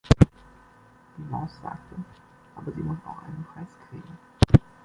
Die Maus sagte: „Aber sie muss auch einen Preis kriegen“.